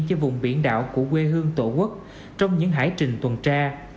cho vùng biển đảo của quê hương tổ quốc trong những hải trình tuần tra